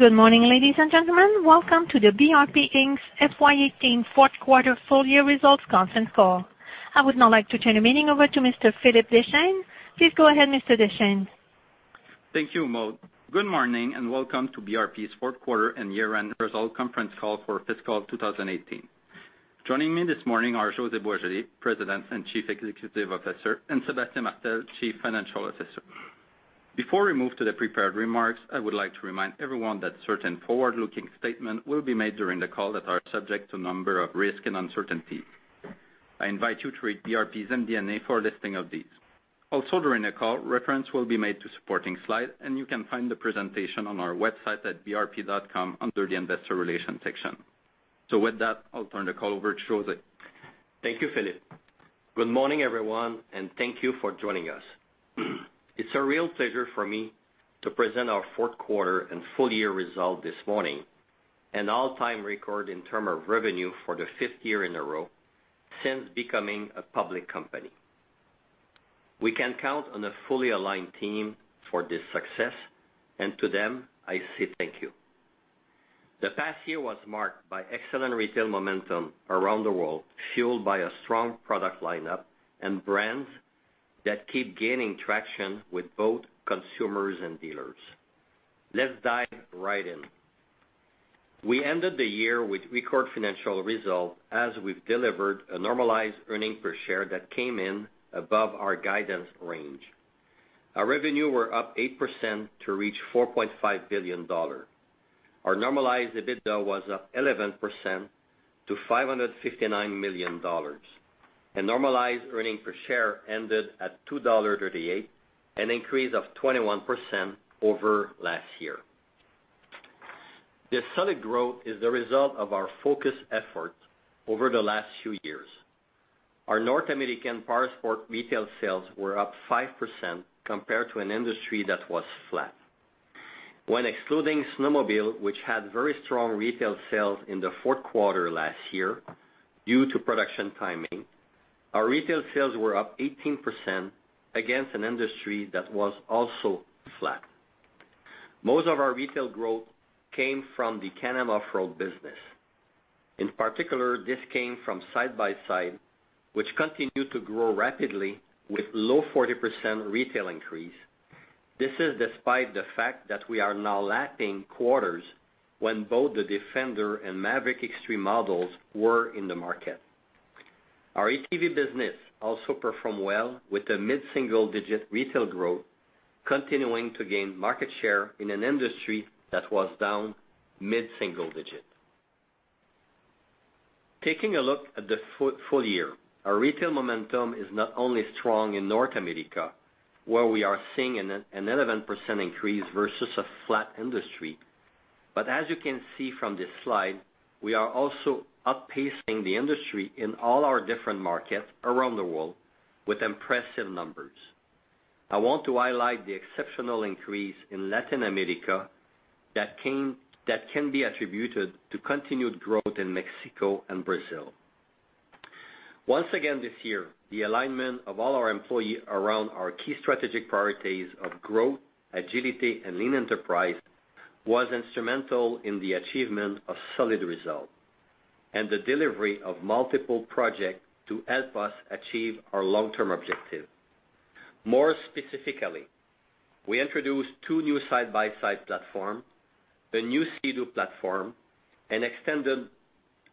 Good morning, ladies and gentlemen. Welcome to BRP Inc.'s FY 2018 fourth quarter full-year results conference call. I would now like to turn the meeting over to Mr. Philippe Deschênes. Please go ahead, Mr. Deschênes. Thank you, Maude. Good morning, and welcome to BRP's fourth quarter and year-end results conference call for fiscal 2018. Joining me this morning are José Boisjoli, President and Chief Executive Officer, and Sébastien Martel, Chief Financial Officer. Before we move to the prepared remarks, I would like to remind everyone that certain forward-looking statements will be made during the call that are subject to a number of risks and uncertainties. I invite you to read BRP's MD&A for a listing of these. Also during the call, reference will be made to supporting slides, and you can find the presentation on our website at brp.com under the investor relations section. With that, I'll turn the call over to José. Thank you, Philippe. Good morning, everyone, and thank you for joining us. It's a real pleasure for me to present our fourth quarter and full-year results this morning, an all-time record in terms of revenue for the fifth year in a row since becoming a public company. We can count on a fully aligned team for this success, and to them, I say thank you. The past year was marked by excellent retail momentum around the world, fueled by a strong product lineup and brands that keep gaining traction with both consumers and dealers. Let's dive right in. We ended the year with record financial results as we've delivered a normalized earnings per share that came in above our guidance range. Our revenue was up 8% to reach 4.5 billion dollars. Our normalized EBITDA was up 11% to 559 million dollars, and normalized earnings per share ended at 2.38 dollars, an increase of 21% over last year. This solid growth is the result of our focused efforts over the last few years. Our North American Powersports retail sales were up 5% compared to an industry that was flat. When excluding snowmobile, which had very strong retail sales in the fourth quarter last year due to production timing, our retail sales were up 18% against an industry that was also flat. Most of our retail growth came from the Can-Am Off-Road business. In particular, this came from side-by-side, which continued to grow rapidly with a low 40% retail increase. This is despite the fact that we are now lacking quarters when both the Defender and Maverick X3 models were in the market. Our ATV business also performed well with a mid-single-digit retail growth, continuing to gain market share in an industry that was down mid-single digit. Taking a look at the full year. Our retail momentum is not only strong in North America, where we are seeing an 11% increase versus a flat industry. As you can see from this slide, we are also outpacing the industry in all our different markets around the world with impressive numbers. I want to highlight the exceptional increase in Latin America that can be attributed to continued growth in Mexico and Brazil. Once again this year, the alignment of all our employees around our key strategic priorities of growth, agility, and lean enterprise was instrumental in the achievement of solid results, and the delivery of multiple projects to help us achieve our long-term objective. More specifically, we introduced two new side-by-side platforms, a new Sea-Doo platform, and extended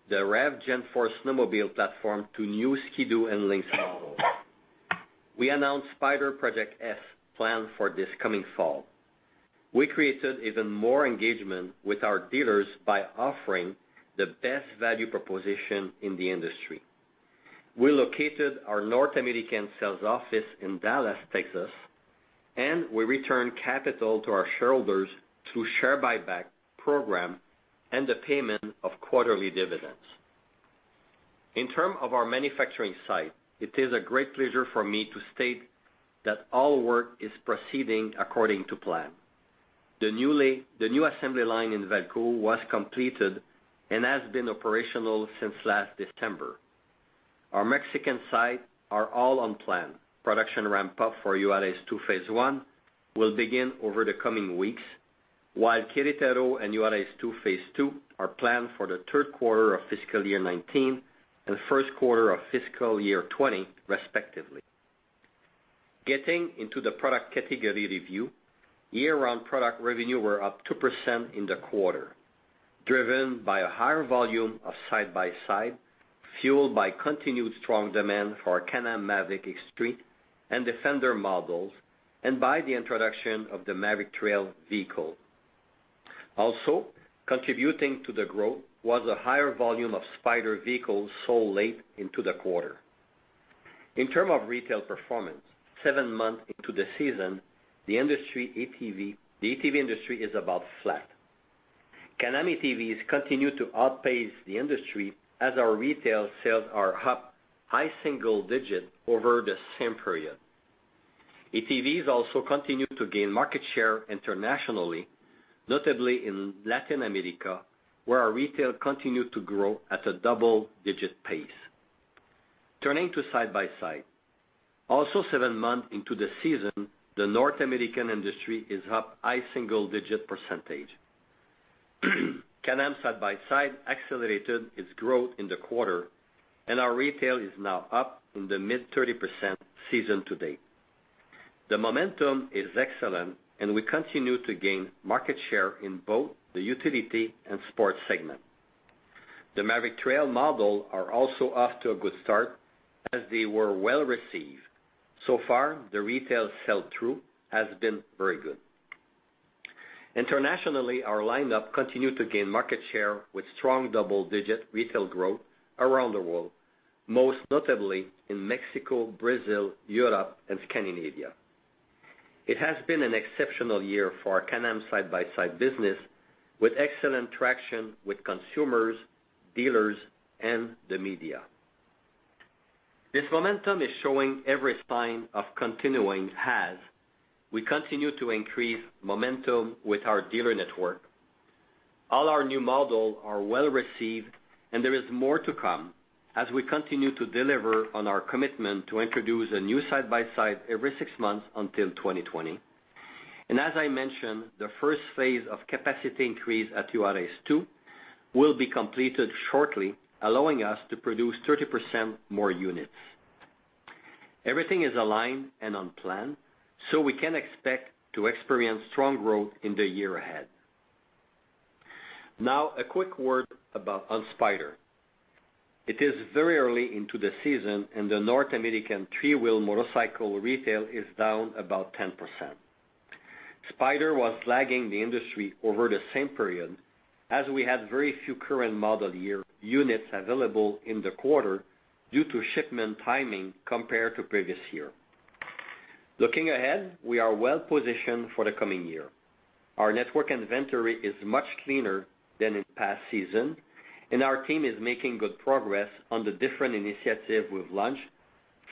the REV Gen4 snowmobile platform to new Ski-Doo and Lynx models. We announced Spyder Project S plans for this coming fall. We created even more engagement with our dealers by offering the best value proposition in the industry. We located our North American sales office in Dallas, Texas, and we returned capital to our shareholders through a share buyback program and the payment of quarterly dividends. In terms of our manufacturing site, it is a great pleasure for me to state that all work is proceeding according to plan. The new assembly line in Valcourt was completed and has been operational since last December. Our Mexican sites are all on plan. Production ramp-up for Juarez 2 Phase 1 will begin over the coming weeks, while Querétaro and Juarez 2 Phase 2 are planned for the third quarter of fiscal year 2019 and first quarter of fiscal year 2020, respectively. Getting into the product category review. Year-on product revenue was up 2% in the quarter, driven by a higher volume of side-by-side, fueled by continued strong demand for Can-Am Maverick X3 and Defender models and by the introduction of the Maverick Trail vehicle. Also contributing to the growth was a higher volume of Spyder vehicles sold late into the quarter. In terms of retail performance, seven months into the season, the ATV industry is about flat. Can-Am ATVs continue to outpace the industry as our retail sales are up high single digits over the same period. ATVs also continue to gain market share internationally, notably in Latin America, where our retail continued to grow at a double-digit pace. Turning to Side-by-Side. Also seven months into the season, the North American industry is up high single-digit percentage. Can-Am Side-by-Side accelerated its growth in the quarter, and our retail is now up in the mid 30% season to date. The momentum is excellent, and we continue to gain market share in both the utility and sport segment. The Maverick Trail model are also off to a good start as they were well-received. So far, the retail sell-through has been very good. Internationally, our lineup continued to gain market share with strong double-digit retail growth around the world, most notably in Mexico, Brazil, Europe and Scandinavia. It has been an exceptional year for our Can-Am Side-by-Side business, with excellent traction with consumers, dealers and the media. This momentum is showing every sign of continuing as we continue to increase momentum with our dealer network. All our new models are well-received, there is more to come as we continue to deliver on our commitment to introduce a new side-by-side every six months until 2020. As I mentioned, the first phase of capacity increase at Juarez 2 will be completed shortly, allowing us to produce 30% more units. Everything is aligned and on plan, we can expect to experience strong growth in the year ahead. A quick word about Spyder. It is very early into the season in the North American three-wheel motorcycle retail is down about 10%. Spyder was lagging the industry over the same period, as we had very few current model year units available in the quarter due to shipment timing compared to previous year. Looking ahead, we are well-positioned for the coming year. Our network inventory is much cleaner than in past season, our team is making good progress on the different initiatives we've launched,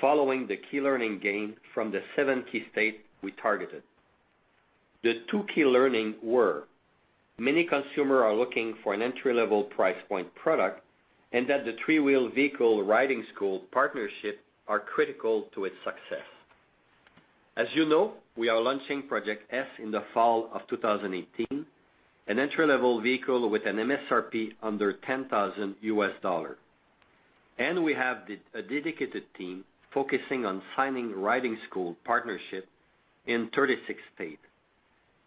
following the key learnings gained from the seven key states we targeted. The two key learnings were, many consumers are looking for an entry-level price point product and that the three-wheel vehicle riding school partnerships are critical to its success. As you know, we are launching Project S in the fall of 2018, an entry-level vehicle with an MSRP under $10,000 USD. We have a dedicated team focusing on signing riding school partnerships in 36 states.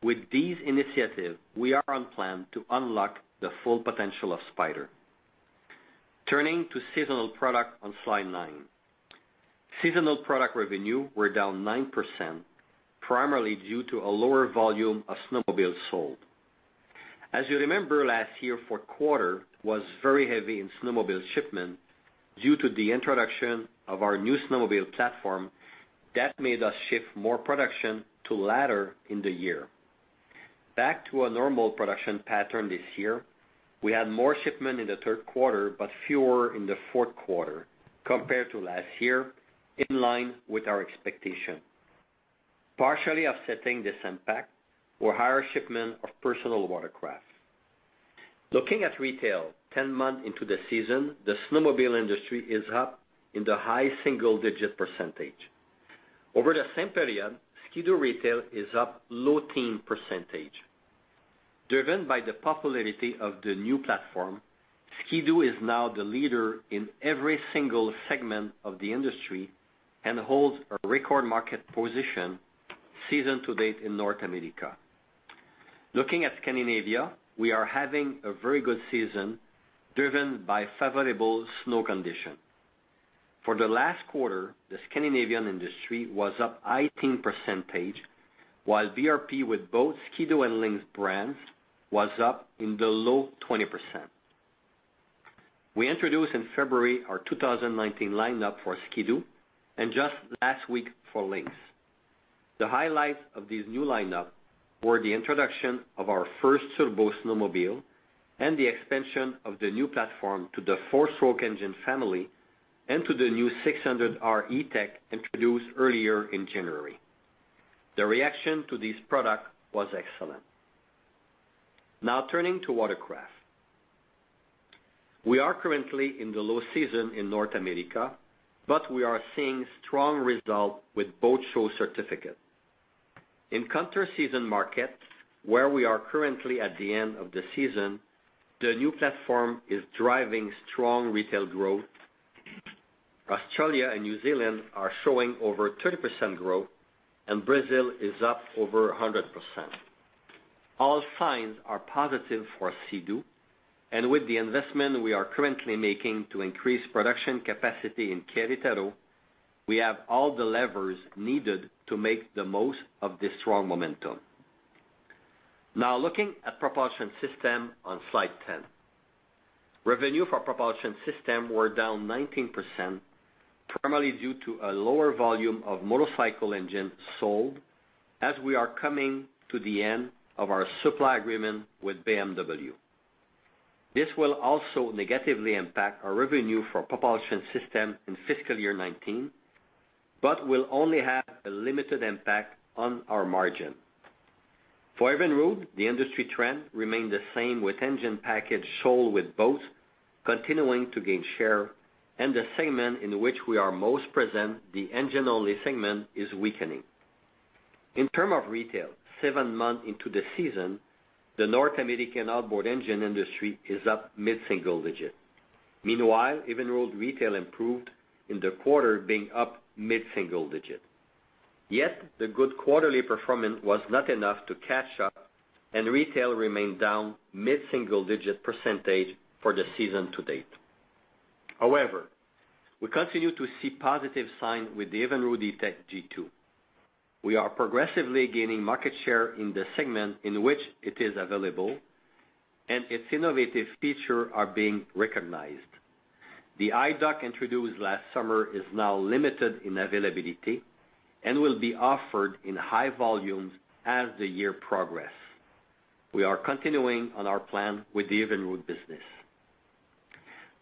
With these initiatives, we are on plan to unlock the full potential of Spyder. Turning to seasonal product on slide nine. Seasonal product revenue were down 9%, primarily due to a lower volume of snowmobiles sold. As you remember last year, fourth quarter was very heavy in snowmobile shipment due to the introduction of our new snowmobile platform that made us shift more production to latter in the year. Back to a normal production pattern this year, we had more shipment in the third quarter, but fewer in the fourth quarter compared to last year, in line with our expectation. Partially offsetting this impact were higher shipment of personal watercraft. Looking at retail 10 months into the season, the snowmobile industry is up in the high single-digit percentage. Over the same period, Ski-Doo retail is up low-teen percentage. Driven by the popularity of the new platform, Ski-Doo is now the leader in every single segment of the industry and holds a record market position season to date in North America. Looking at Scandinavia, we are having a very good season, driven by favorable snow conditions. For the last quarter, the Scandinavian industry was up high-teen percentage, while BRP with both Ski-Doo and Lynx brands was up in the low 20%. We introduced in February our 2019 lineup for Ski-Doo and just last week for Lynx. The highlights of this new lineup were the introduction of our first turbo snowmobile and the expansion of the new platform to the four-stroke engine family and to the new 600R E-TEC introduced earlier in January. The reaction to this product was excellent. Turning to watercraft. We are currently in the low season in North America, but we are seeing strong results with boat show certificates. In counter-season markets where we are currently at the end of the season, the new platform is driving strong retail growth. Australia and New Zealand are showing over 30% growth and Brazil is up over 100%. All signs are positive for Sea-Doo, and with the investment we are currently making to increase production capacity in Querétaro, we have all the levers needed to make the most of this strong momentum. Looking at propulsion system on slide 10. Revenue for propulsion system were down 19%, primarily due to a lower volume of motorcycle engine sold as we are coming to the end of our supply agreement with BMW. This will also negatively impact our revenue for propulsion system in fiscal year 2019, but will only have a limited impact on our margin. For Evinrude, the industry trend remained the same with engine package sold with boats continuing to gain share, and the segment in which we are most present, the engine-only segment, is weakening. In term of retail, seven months into the season, the North American outboard engine industry is up mid-single digit. Meanwhile, Evinrude retail improved in the quarter, being up mid-single digit. Yet the good quarterly performance was not enough to catch up, and retail remained down mid-single digit percentage for the season to date. However, we continue to see positive signs with the Evinrude E-TEC G2. We are progressively gaining market share in the segment in which it is available, and its innovative feature are being recognized. The iDock introduced last summer is now limited in availability and will be offered in high volumes as the year progress. We are continuing on our plan with the Evinrude business.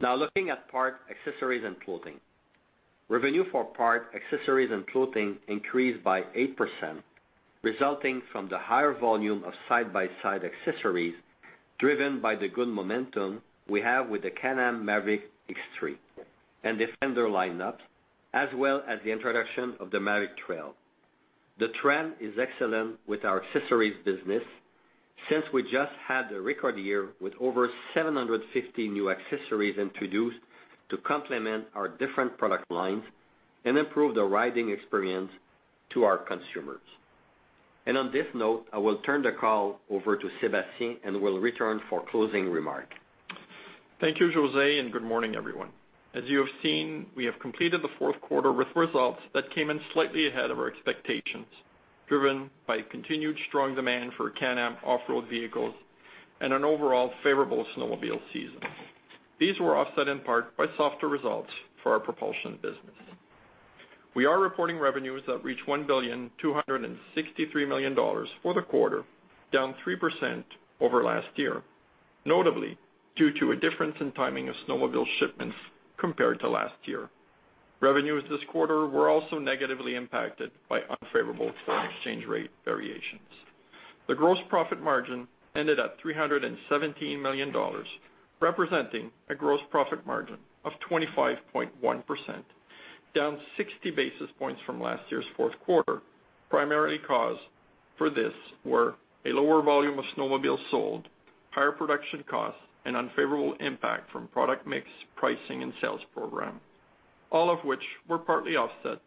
Looking at parts, accessories, and clothing. Revenue for parts, accessories, and clothing increased by 8%, resulting from the higher volume of side-by-side accessories driven by the good momentum we have with the Can-Am Maverick X3 and Defender lineup, as well as the introduction of the Maverick Trail. The trend is excellent with our accessories business since we just had a record year with over 750 new accessories introduced to complement our different product lines and improve the riding experience to our consumers. On this note, I will turn the call over to Sébastien and will return for closing remark. Thank you, José, and good morning, everyone. As you have seen, we have completed the fourth quarter with results that came in slightly ahead of our expectations, driven by continued strong demand for Can-Am off-road vehicles and an overall favorable snowmobile season. These were offset in part by softer results for our propulsion business. We are reporting revenues that reach 1,263,000,000 dollars for the quarter, down 3% over last year, notably due to a difference in timing of snowmobile shipments compared to last year. Revenues this quarter were also negatively impacted by unfavorable foreign exchange rate variations. The gross profit margin ended at 317 million dollars, representing a gross profit margin of 25.1%, down 60 basis points from last year's fourth quarter. Primary cause for this were a lower volume of snowmobiles sold, higher production costs, and unfavorable impact from product mix, pricing, and sales program, all of which were partly offset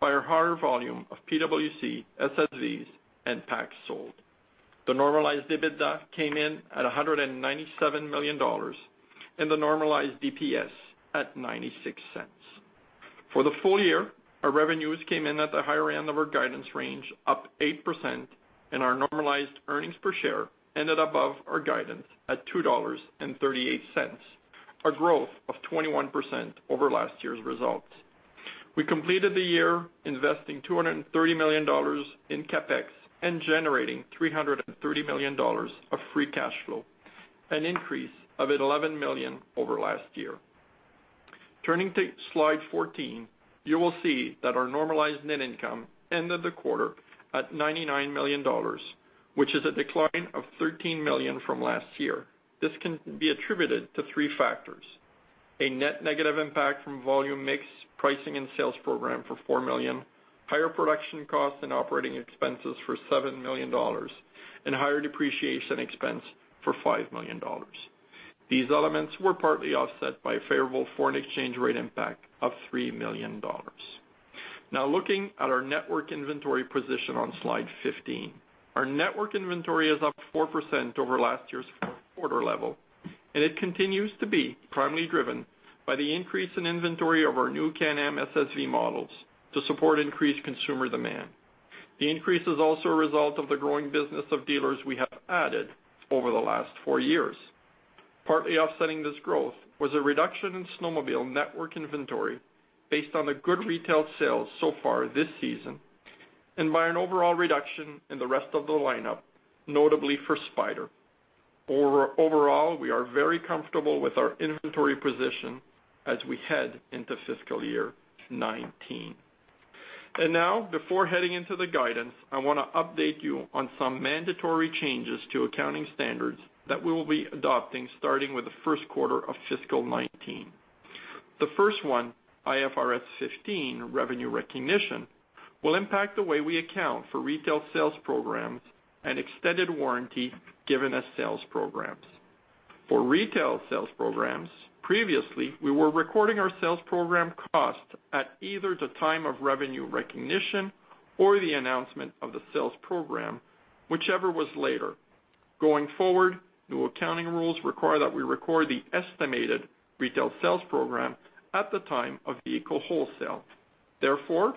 by a higher volume of PWC, SSVs, and PACs sold. The normalized EBITDA came in at 197 million dollars and the normalized EPS at 0.96. For the full year, our revenues came in at the higher end of our guidance range, up 8%, and our normalized earnings per share ended above our guidance at 2.38 dollars, a growth of 21% over last year's results. We completed the year investing 230 million dollars in CapEx and generating 330 million dollars of free cash flow, an increase of at 11 million over last year. Turning to slide 14, you will see that our normalized net income ended the quarter at 99 million dollars, which is a decline of 13 million from last year. This can be attributed to three factors: a net negative impact from volume mix, pricing, and sales program for 4 million, higher production costs and operating expenses for 7 million dollars, and higher depreciation expense for 5 million dollars. These elements were partly offset by a favorable foreign exchange rate impact of 3 million dollars. Looking at our network inventory position on Slide 15. Our network inventory is up 4% over last year's fourth quarter level, and it continues to be primarily driven by the increase in inventory of our new Can-Am SSV models to support increased consumer demand. The increase is also a result of the growing business of dealers we have added over the last four years. Partly offsetting this growth was a reduction in snowmobile network inventory based on the good retail sales so far this season and by an overall reduction in the rest of the lineup, notably for Spyder. Overall, we are very comfortable with our inventory position as we head into fiscal year 2019. Now, before heading into the guidance, I want to update you on some mandatory changes to accounting standards that we will be adopting starting with the first quarter of fiscal 2019. The first one, IFRS 15, revenue recognition, will impact the way we account for retail sales programs and extended warranty given as sales programs. For retail sales programs, previously, we were recording our sales program cost at either the time of revenue recognition or the announcement of the sales program, whichever was later. Going forward, new accounting rules require that we record the estimated retail sales program at the time of vehicle wholesale. Therefore,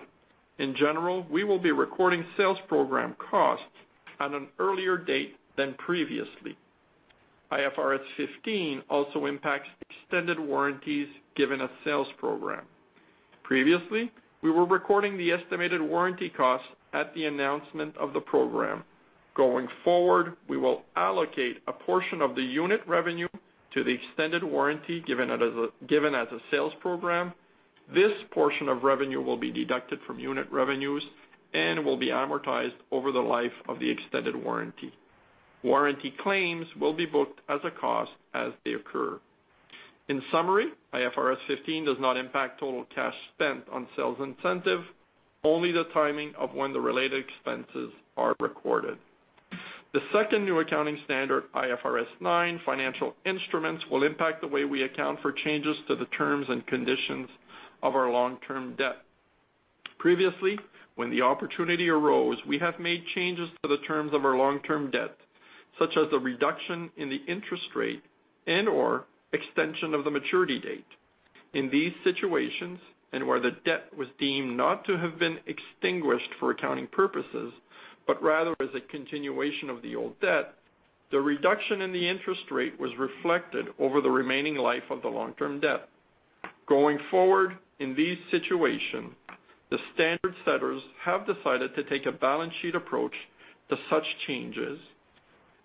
in general, we will be recording sales program costs at an earlier date than previously. IFRS 15 also impacts extended warranties given a sales program. Previously, we were recording the estimated warranty costs at the announcement of the program. Going forward, we will allocate a portion of the unit revenue to the extended warranty given as a sales program, this portion of revenue will be deducted from unit revenues and will be amortized over the life of the extended warranty. Warranty claims will be booked as a cost as they occur. In summary, IFRS 15 does not impact total cash spent on sales incentive, only the timing of when the related expenses are recorded. The second new accounting standard, IFRS 9 Financial Instruments, will impact the way we account for changes to the terms and conditions of our long-term debt. Previously, when the opportunity arose, we have made changes to the terms of our long-term debt, such as the reduction in the interest rate and/or extension of the maturity date. In these situations, and where the debt was deemed not to have been extinguished for accounting purposes, but rather as a continuation of the old debt, the reduction in the interest rate was reflected over the remaining life of the long-term debt. Going forward, in these situations, the standard setters have decided to take a balance sheet approach to such changes,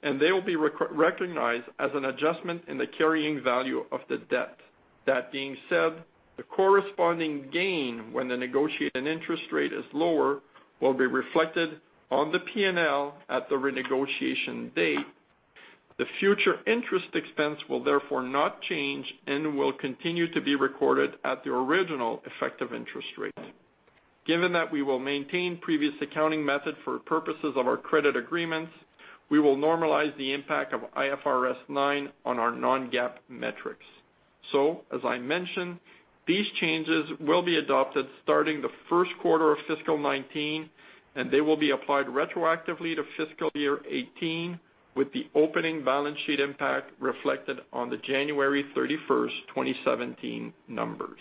and they will be recognized as an adjustment in the carrying value of the debt. That being said, the corresponding gain when the negotiated interest rate is lower will be reflected on the P&L at the renegotiation date. The future interest expense will therefore not change and will continue to be recorded at the original effective interest rate. Given that we will maintain previous accounting method for purposes of our credit agreements, we will normalize the impact of IFRS 9 on our non-GAAP metrics. As I mentioned, these changes will be adopted starting the first quarter of fiscal 2019, and they will be applied retroactively to fiscal year 2018 with the opening balance sheet impact reflected on the January 31st, 2017 numbers.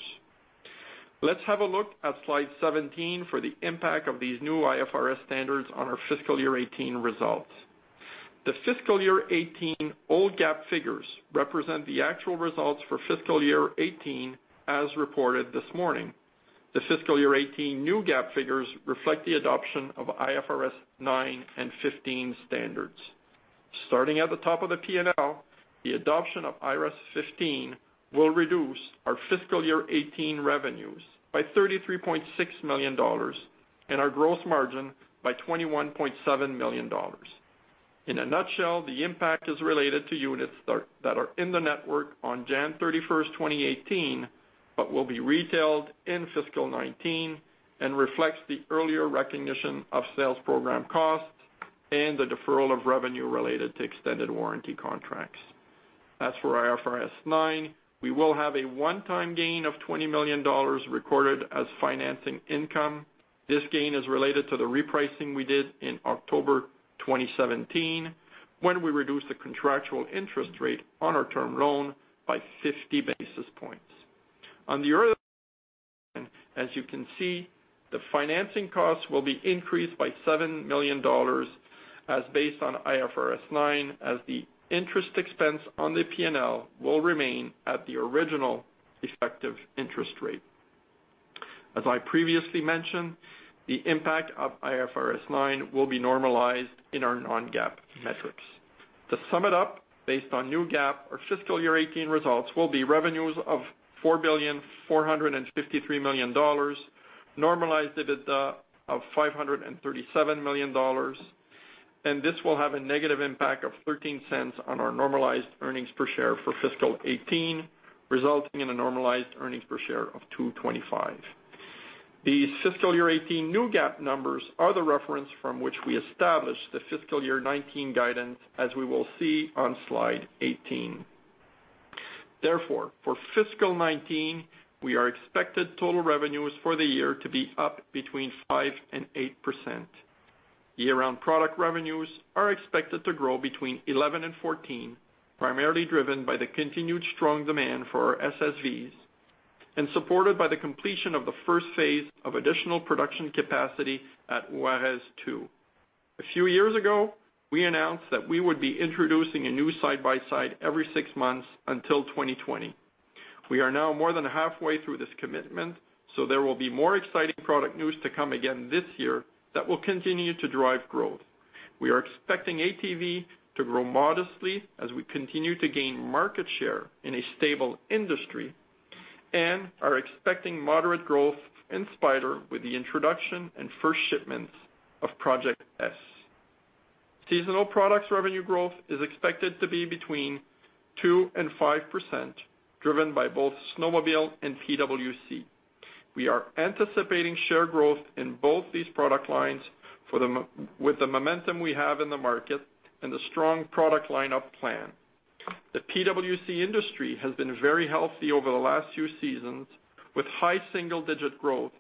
Let's have a look at slide 17 for the impact of these new IFRS standards on our fiscal year 2018 results. The fiscal year 2018 old GAAP figures represent the actual results for fiscal year 2018 as reported this morning. The fiscal year 2018 new GAAP figures reflect the adoption of IFRS 9 and 15 standards. Starting at the top of the P&L, the adoption of IFRS 15 will reduce our fiscal year 2018 revenues by 33.6 million dollars and our gross margin by 21.7 million dollars. In a nutshell, the impact is related to units that are in the network on January 31st, 2018, but will be retailed in fiscal 2019 and reflects the earlier recognition of sales program costs and the deferral of revenue related to extended warranty contracts. As for IFRS 9, we will have a one-time gain of 20 million dollars recorded as financing income. This gain is related to the repricing we did in October 2017, when we reduced the contractual interest rate on our term loan by 50 basis points. On the other end, as you can see, the financing cost will be increased by 7 million dollars as based on IFRS 9 as the interest expense on the P&L will remain at the original effective interest rate. As I previously mentioned, the impact of IFRS 9 will be normalized in our non-GAAP metrics. To sum it up, based on new GAAP, our fiscal year 2018 results will be revenues of 4,453,000,000 dollars, normalized EBITDA of 537 million dollars. This will have a negative impact of 0.13 on our normalized earnings per share for fiscal 2018, resulting in a normalized earnings per share of 2.25. The fiscal year 2018 new GAAP numbers are the reference from which we established the fiscal year 2019 guidance, as we will see on slide 18. For fiscal 2019, we are expected total revenues for the year to be up between 5%-8%. Year-round product revenues are expected to grow between 11% and 14%, primarily driven by the continued strong demand for our SSVs and supported by the completion of the first phase of additional production capacity at Juarez II. A few years ago, we announced that we would be introducing a new side-by-side every six months until 2020. We are now more than halfway through this commitment. There will be more exciting product news to come again this year that will continue to drive growth. We are expecting ATV to grow modestly as we continue to gain market share in a stable industry and are expecting moderate growth in Spyder with the introduction and first shipments of Project S. Seasonal products revenue growth is expected to be between 2% and 5%, driven by both snowmobile and PWC. We are anticipating share growth in both these product lines with the momentum we have in the market and the strong product lineup plan. The PWC industry has been very healthy over the last few seasons with high single-digit growth.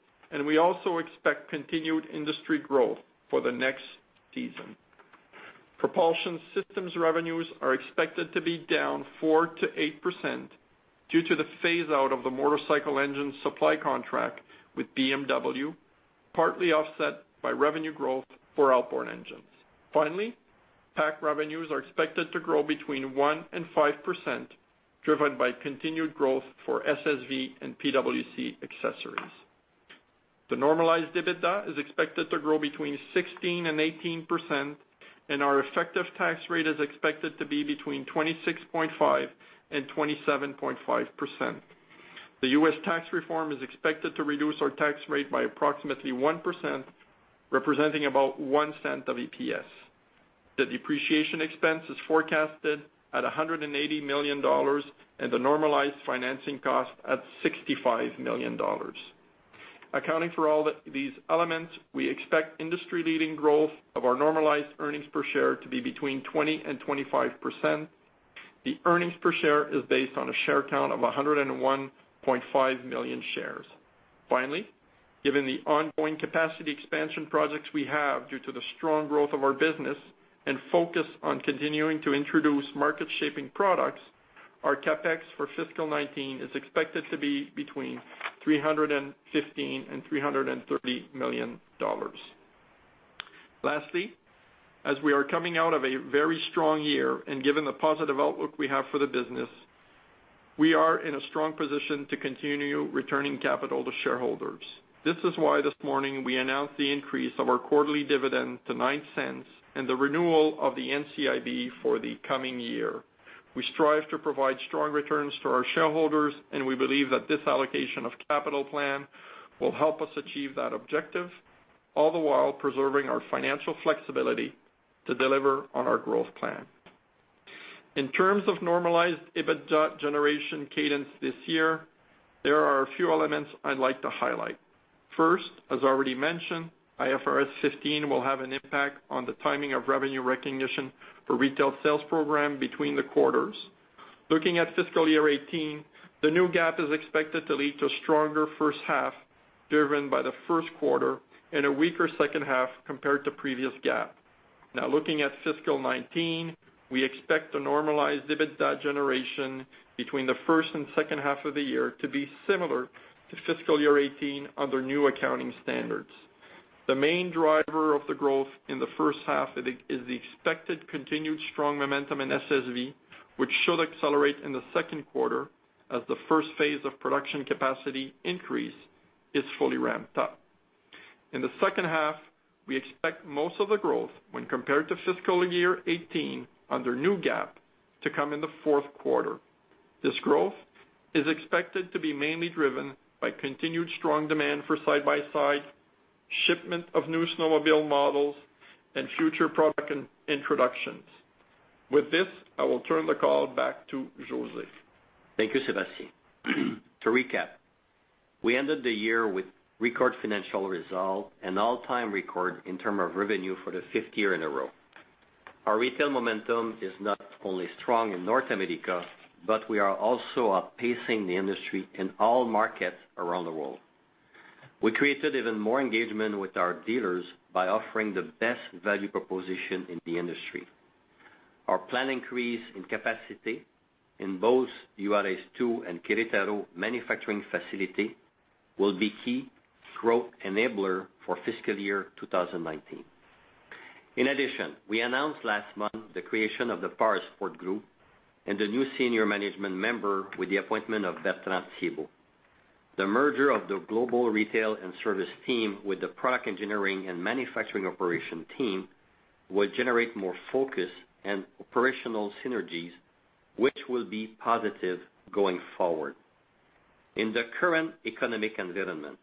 We also expect continued industry growth for the next season. Propulsion systems revenues are expected to be down 4%-8% due to the phase-out of the motorcycle engine supply contract with BMW, partly offset by revenue growth for outboard engines. Finally, PAC revenues are expected to grow between 1% and 5%, driven by continued growth for SSV and PWC accessories. The normalized EBITDA is expected to grow between 16% and 18%, and our effective tax rate is expected to be between 26.5% and 27.5%. The U.S. tax reform is expected to reduce our tax rate by approximately 1%, representing about $0.01 of EPS. The depreciation expense is forecasted at 180 million dollars. The normalized financing cost at 65 million dollars. Accounting for all these elements, we expect industry-leading growth of our normalized earnings per share to be between 20% and 25%. The earnings per share is based on a share count of 101.5 million shares. Finally, given the ongoing capacity expansion projects we have due to the strong growth of our business and focus on continuing to introduce market-shaping products, our CapEx for fiscal 2019 is expected to be between 315 million and 330 million dollars. Lastly, as we are coming out of a very strong year and given the positive outlook we have for the business, we are in a strong position to continue returning capital to shareholders. This is why this morning we announced the increase of our quarterly dividend to 0.09 and the renewal of the NCIB for the coming year. We strive to provide strong returns to our shareholders. We believe that this allocation of capital plan will help us achieve that objective, all the while preserving our financial flexibility to deliver on our growth plan. In terms of normalized EBITDA generation cadence this year, there are a few elements I'd like to highlight. First, as already mentioned, IFRS 15 will have an impact on the timing of revenue recognition for retail sales program between the quarters. Looking at fiscal year 2018, the new GAAP is expected to lead to stronger first half, driven by the first quarter and a weaker second half compared to previous GAAP. Now looking at fiscal 2019, we expect a normalized EBITDA generation between the first and second half of the year to be similar to fiscal year 2018 under new accounting standards. The main driver of the growth in the first half is the expected continued strong momentum in SSV, which should accelerate in the second quarter as the first phase of production capacity increase is fully ramped up. In the second half, we expect most of the growth when compared to fiscal year 2018 under new GAAP to come in the fourth quarter. This growth is expected to be mainly driven by continued strong demand for side-by-side, shipment of new snowmobile models, and future product introductions. With this, I will turn the call back to José. Thank you, Sébastien. To recap, we ended the year with record financial result and all-time record in term of revenue for the fifth year in a row. Our retail momentum is not only strong in North America, but we are also outpacing the industry in all markets around the world. We created even more engagement with our dealers by offering the best value proposition in the industry. Our planned increase in capacity in both Juarez II and Querétaro manufacturing facility will be key growth enabler for fiscal year 2019. In addition, we announced last month the creation of the Powersports Group and the new senior management member with the appointment of Bertrand Thiébaut. The merger of the global retail and service team with the product engineering and manufacturing operation team will generate more focus and operational synergies, which will be positive going forward. In the current economic environment,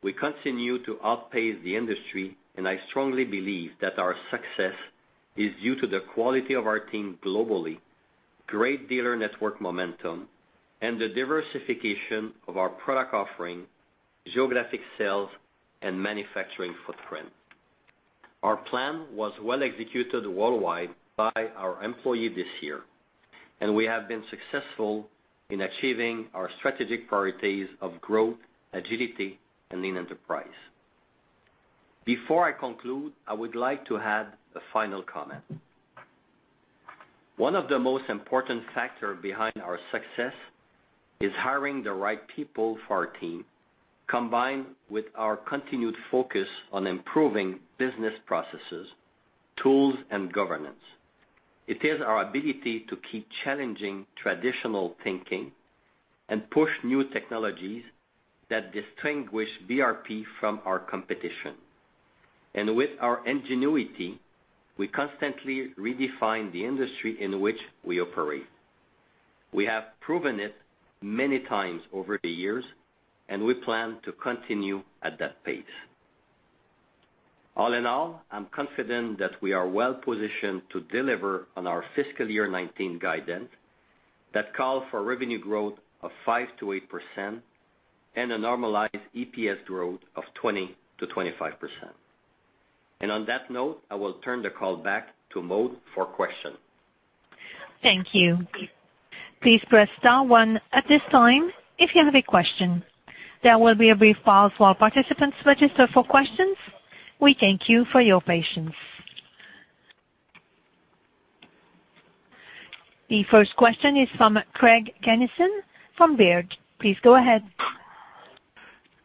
we continue to outpace the industry, I strongly believe that our success is due to the quality of our team globally, great dealer network momentum, the diversification of our product offering, geographic sales, and manufacturing footprint. Our plan was well executed worldwide by our employee this year, and we have been successful in achieving our strategic priorities of growth, agility, lean enterprise. Before I conclude, I would like to add a final comment. One of the most important factor behind our success is hiring the right people for our team, combined with our continued focus on improving business processes, tools, and governance. It is our ability to keep challenging traditional thinking and push new technologies that distinguish BRP from our competition. With our ingenuity, we constantly redefine the industry in which we operate. We have proven it many times over the years, we plan to continue at that pace. All in all, I'm confident that we are well positioned to deliver on our fiscal year 2019 guidance that call for revenue growth of 5%-8% and a normalized EPS growth of 20%-25%. On that note, I will turn the call back to Maud for question. Thank you. Please press star one at this time if you have a question. There will be a brief pause while participants register for questions. We thank you for your patience. The first question is from Craig Kennison from Baird. Please go ahead.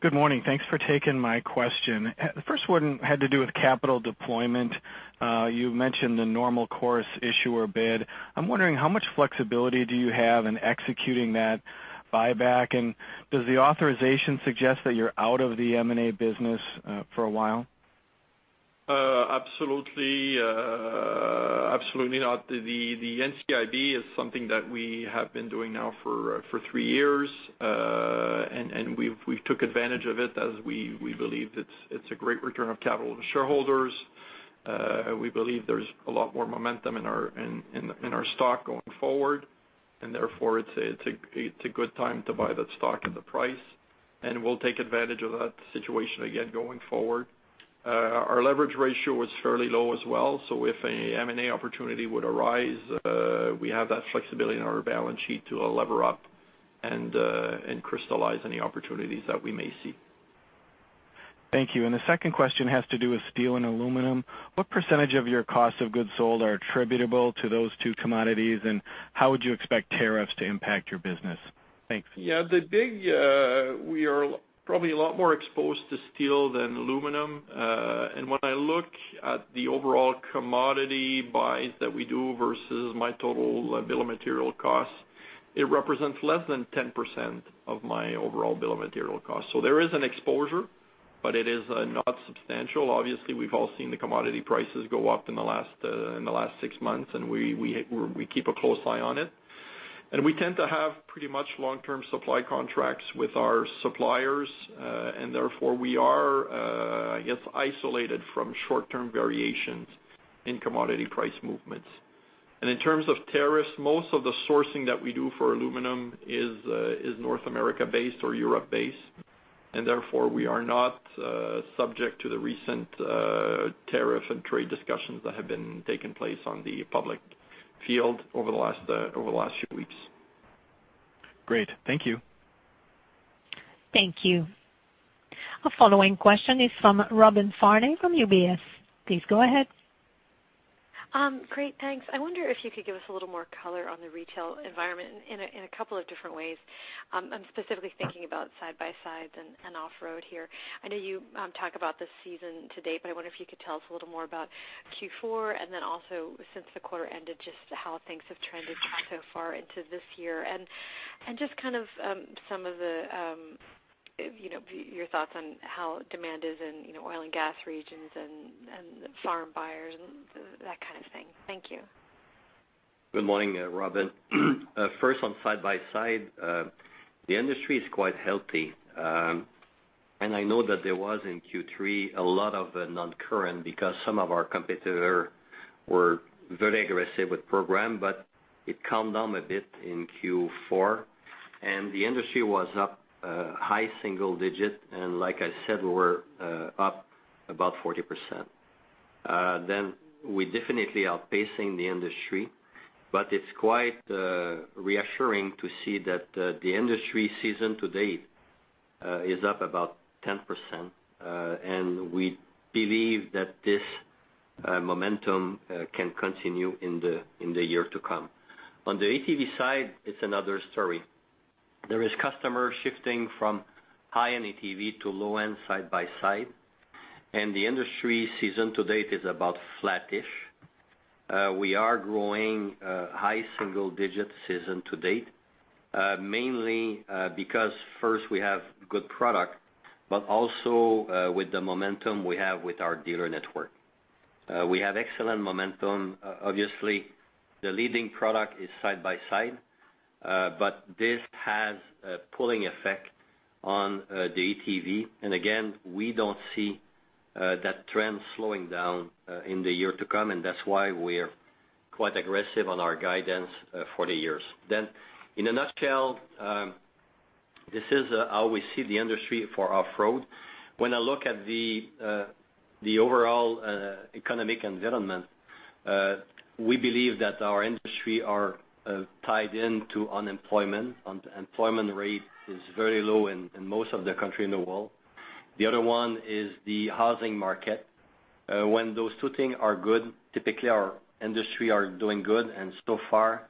Good morning. Thanks for taking my question. The first one had to do with capital deployment. You mentioned the normal course issuer bid. I'm wondering how much flexibility do you have in executing that buyback, and does the authorization suggest that you're out of the M&A business for a while? Absolutely not. The NCIB is something that we have been doing now for three years, and we've took advantage of it as we believe it's a great return of capital to shareholders. We believe there's a lot more momentum in our stock going forward, and therefore it's a good time to buy that stock at the price, and we'll take advantage of that situation again going forward. Our leverage ratio is fairly low as well, so if an M&A opportunity would arise, we have that flexibility in our balance sheet to lever up and crystallize any opportunities that we may see. Thank you. The second question has to do with steel and aluminum. What percentage of your cost of goods sold are attributable to those two commodities, and how would you expect tariffs to impact your business? Thanks. Yeah. We are probably a lot more exposed to steel than aluminum. When I look at the overall commodity buys that we do versus my total bill of material costs, it represents less than 10% of my overall bill of material costs. There is an exposure, but it is not substantial. Obviously, we've all seen the commodity prices go up in the last six months, we keep a close eye on it. We tend to have pretty much long-term supply contracts with our suppliers, and therefore we are, I guess, isolated from short-term variations in commodity price movements. In terms of tariffs, most of the sourcing that we do for aluminum is North America-based or Europe-based, and therefore we are not subject to the recent tariff and trade discussions that have been taking place on the public field over the last few weeks. Great. Thank you. Thank you. Our following question is from Robin Farley from UBS. Please go ahead. Great. Thanks. I wonder if you could give us a little more color on the retail environment in a couple of different ways. I'm specifically thinking about side-by-sides and off-road here. I know you talk about this season to date, but I wonder if you could tell us a little more about Q4, and then also, since the quarter ended, just how things have trended so far into this year. Just kind of some of your thoughts on how demand is in oil and gas regions and farm buyers and that kind of thing. Thank you. Good morning, Robin. First on side-by-side. The industry is quite healthy. I know that there was, in Q3, a lot of non-current because some of our competitor were very aggressive with program, but it calmed down a bit in Q4 and the industry was up high single-digit. Like I said, we were up about 40%. We definitely are pacing the industry, but it's quite reassuring to see that the industry season to date is up about 10%, and we believe that this momentum can continue in the year to come. On the ATV side, it's another story. There is customers shifting from high-end ATV to low-end side-by-side, and the industry season to date is about flat-ish. We are growing high single-digit season to date, mainly because first we have good product, but also with the momentum we have with our dealer network. We have excellent momentum. Obviously, the leading product is side-by-side, but this has a pulling effect on the ATV. Again, we don't see that trend slowing down in the year to come, and that's why we're quite aggressive on our guidance for the years. In a nutshell, this is how we see the industry for off-road. When I look at the overall economic environment, we believe that our industry are tied into unemployment. Unemployment rate is very low in most of the country in the world. The other one is the housing market. When those two things are good, typically our industry are doing good, and so far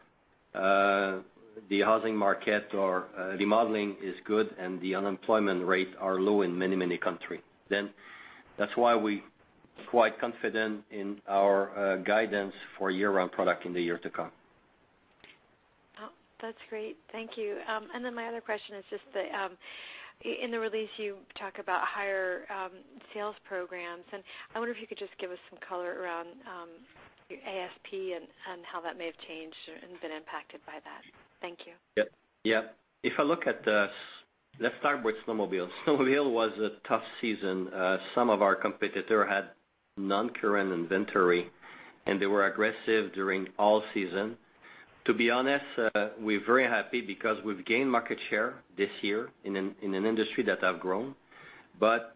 the housing market or remodeling is good and the unemployment rate are low in many, many country. That's why we quite confident in our guidance for year-round product in the year to come. Oh, that's great. Thank you. My other question is in the release you talk about higher sales programs, and I wonder if you could just give us some color around your ASP and how that may have changed and been impacted by that. Thank you. Yep. Let's start with snowmobile. Snowmobile was a tough season. Some of our competitor had non-current inventory, and they were aggressive during all season. To be honest, we're very happy because we've gained market share this year in an industry that have grown.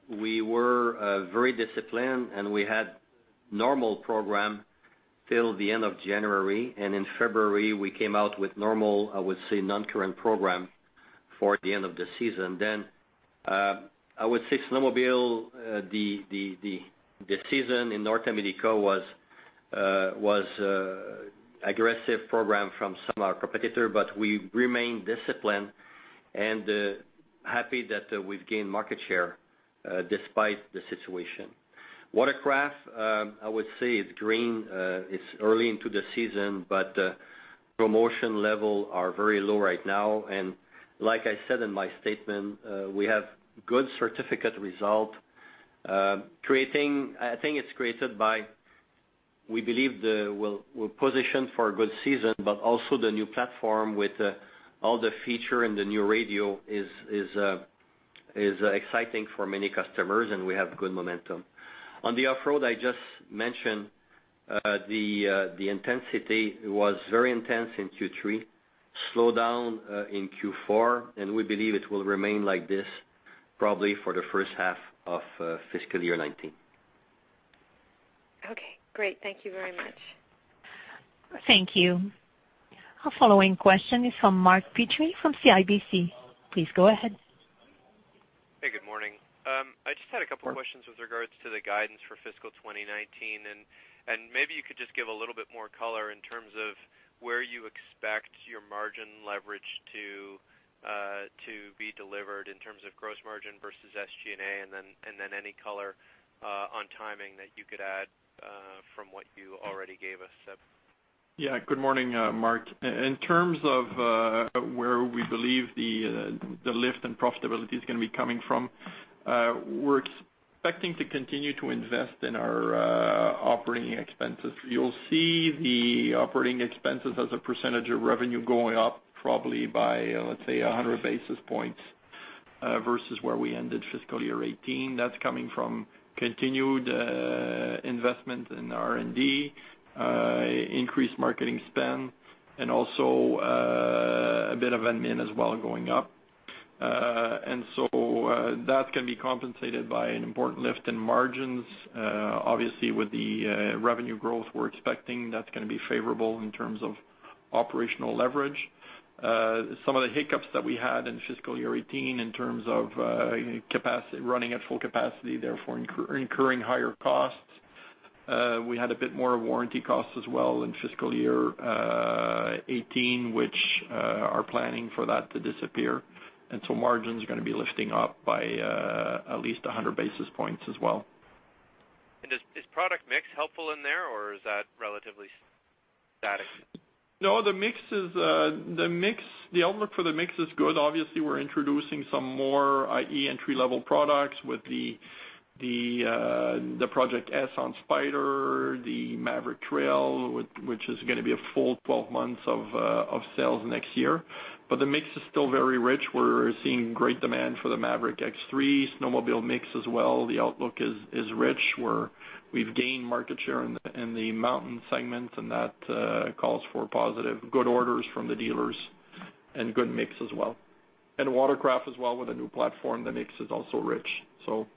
We were very disciplined, and we had normal program till the end of January. In February we came out with normal, I would say, non-current program for the end of the season. I would say snowmobile, the season in North America was aggressive program from some of our competitor, but we remain disciplined and happy that we've gained market share despite the situation. Watercraft I would say it's green. It's early into the season, but promotion level are very low right now. Like I said in my statement, we have good certificate result. We believe we're positioned for a good season, but also the new platform with all the feature in the new radio is exciting for many customers, and we have good momentum. On the off-road, I just mentioned the intensity was very intense in Q3, slowed down in Q4, and we believe it will remain like this probably for the first half of fiscal year 2019. Okay, great. Thank you very much. Thank you. Our following question is from Mark Petrie from CIBC. Please go ahead. Hey, good morning. I just had a couple questions with regards to the guidance for fiscal 2019. Maybe you could just give a little bit more color in terms of where you expect your margin leverage to be delivered in terms of gross margin versus SG&A, and then any color on timing that you could add from what you already gave us. Yeah. Good morning, Mark. In terms of where we believe the lift in profitability is going to be coming from, we're expecting to continue to invest in our operating expenses. You'll see the operating expenses as a percentage of revenue going up probably by, let's say, 100 basis points, versus where we ended fiscal year 2018. That's coming from continued investment in R&D, increased marketing spend, and also a bit of admin as well going up. That can be compensated by an important lift in margins. Obviously, with the revenue growth we're expecting, that's going to be favorable in terms of operational leverage. Some of the hiccups that we had in fiscal year 2018 in terms of running at full capacity, therefore incurring higher costs. We had a bit more warranty costs as well in fiscal year 2018, which are planning for that to disappear. Margins are going to be lifting up by at least 100 basis points as well. Is product mix helpful in there, or is that relatively static? No, the outlook for the mix is good. Obviously, we're introducing some more i.e. entry-level products with the Project S on Spyder, the Maverick Trail, which is going to be a full 12 months of sales next year. The mix is still very rich. We're seeing great demand for the Maverick X3, snowmobile mix as well. The outlook is rich, where we've gained market share in the mountain segment, and that calls for positive good orders from the dealers and good mix as well. Watercraft as well with a new platform, the mix is also rich. Okay.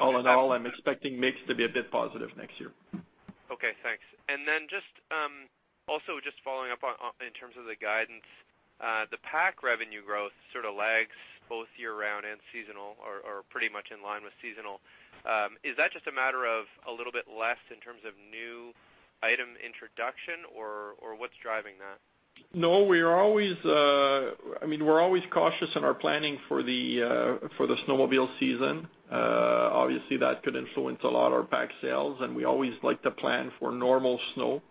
All in all, I'm expecting mix to be a bit positive next year. Okay. Thanks. Then also just following up in terms of the guidance, the PAC revenue growth sort of lags both year-round and seasonal or pretty much in-line with seasonal. Is that just a matter of a little bit less in terms of new item introduction, or what's driving that? No, we're always cautious in our planning for the snowmobile season. Obviously, that could influence a lot our PAC sales, and we always like to plan for normal snow.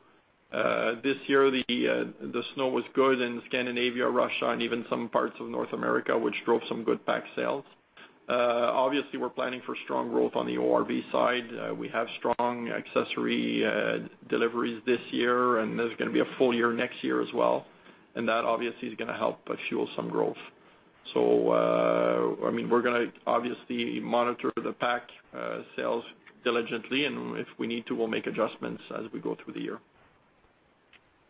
This year, the snow was good in Scandinavia, Russia, and even some parts of North America, which drove some good PAC sales. Obviously, we're planning for strong growth on the ORV side. We have strong accessory deliveries this year, and there's going to be a full year next year as well, and that obviously is going to help fuel some growth. We're going to obviously monitor the PAC sales diligently, and if we need to, we'll make adjustments as we go through the year.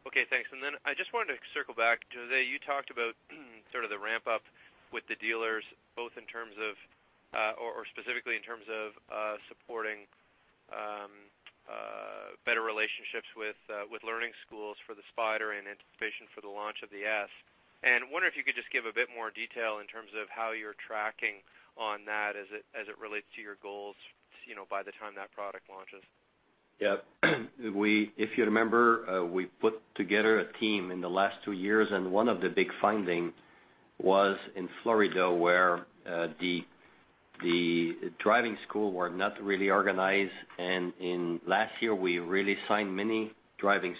Okay, thanks. Then I just wanted to circle back. José, you talked about sort of the ramp up with the dealers, both in terms of— or specifically in terms of supporting better relationships with learning schools for the Spyder in anticipation for the launch of the S. I wonder if you could just give a bit more detail in terms of how you're tracking on that as it relates to your goals by the time that product launches. Yes. If you remember, we put together a team in the last 2 years, and one of the big finding was in Florida, where the driving school were not really organized. In last year, we really signed many driving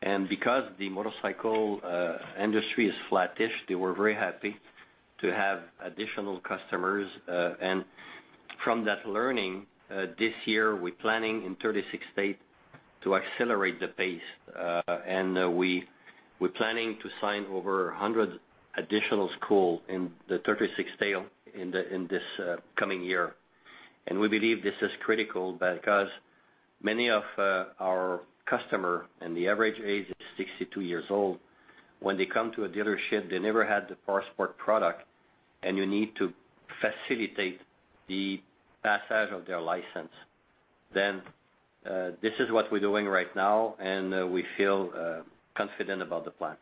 school. Because the motorcycle industry is flattish, they were very happy to have additional customers. From that learning, this year, we're planning in 36 state to accelerate the pace. We're planning to sign over 100 additional school in the 36 state in this coming year. We believe this is critical because many of our customer and the average age is 62 years old. When they come to a dealership, they never had the Powersports product, and you need to facilitate the passage of their license. This is what we're doing right now, and we feel confident about the plan.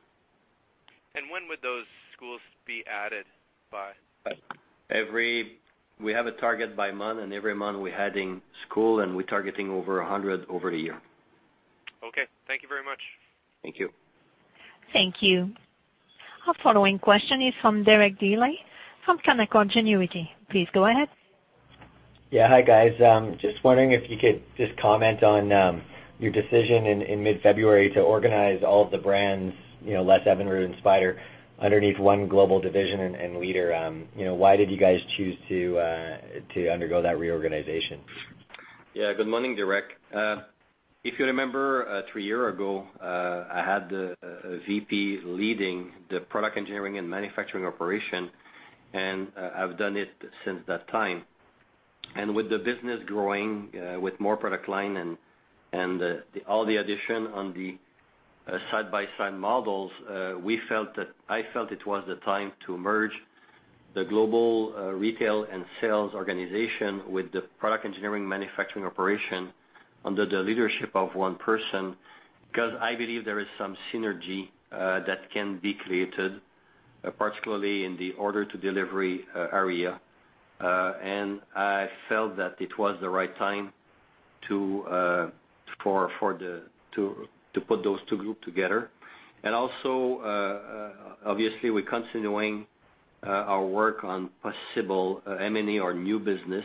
When would those schools be added by? We have a target by month, and every month we're adding school, and we're targeting over 100 over a year. Okay. Thank you very much. Thank you. Thank you. Our following question is from Derek Dley from Canaccord Genuity. Please go ahead. Yeah. Hi, guys. Just wondering if you could just comment on your decision in mid-February to organize all of the brands, Less Evinrude, underneath one global division and leader. Why did you guys choose to undergo that reorganization? Yeah. Good morning, Derek. If you remember, three year ago, I had the VP leading the product engineering and manufacturing operation, and I've done it since that time. With the business growing, with more product line and all the addition on the side-by-side models, I felt it was the time to merge the global retail and sales organization with the product engineering manufacturing operation under the leadership of one person, because I believe there is some synergy that can be created, particularly in the order to delivery area. I felt that it was the right time to put those two group together. Also, obviously, we're continuing our work on possible M&A or new business,